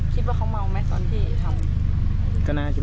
คิดว่าเขาเมาไหมตอนที่ทำ